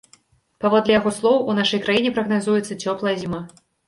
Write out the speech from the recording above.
Паводле яго слоў, у нашай краіне прагназуецца цёплая зіма.